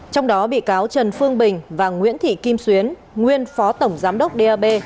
trong đó bị cáo trần phương bình và nguyễn thị kim xuyến nguyên phó tổng giám đốc dap